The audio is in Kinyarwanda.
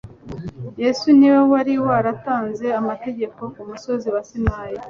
Yesu ni we wari waratanze amategeko ku musozi wa Sinayi,